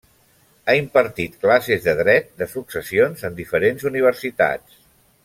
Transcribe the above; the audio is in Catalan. Ha impartit classes de dret de successions en diferents universitats.